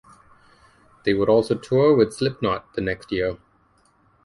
They would also tour with Slipknot the next year.